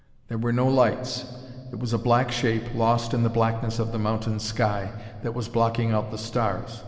There were no lights: it was a black shape, lost in the blackness of the mountain sky, that was blocking out the stars.